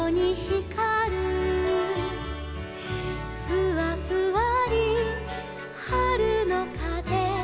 「ふわふわりはるのかぜ」